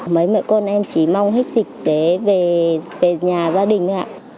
mấy mẹ con em chỉ mong hết dịch để về nhà gia đình